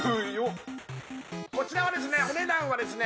こちらはですねお値段はですね